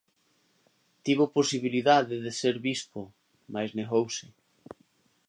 Tivo posibilidade de ser bispo mais negouse.